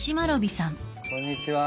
こんにちは。